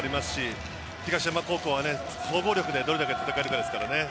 東山高校は総合力でどれだけ戦えるかです。